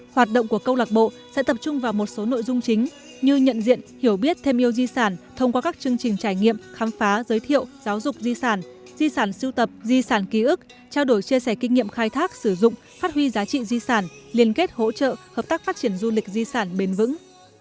hoạt động của câu lạc bộ sẽ tập trung vào một số nội dung chính như nhận diện hiểu biết thêm yêu di sản thông qua các chương trình trải nghiệm khám phá giới thiệu giáo dục di sản di sản siêu tập di sản ký ức trao đổi chia sẻ kinh nghiệm khai thác sử dụng phát huy giá trị di sản liên kết hỗ trợ hợp tác phát triển du lịch di sản bền vững